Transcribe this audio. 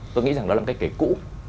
tôi nghĩ rằng đó là một cái kẻ cũ